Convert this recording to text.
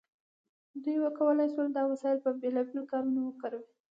دوی وکولی شول دا وسایل په بیلابیلو کارونو وکاروي.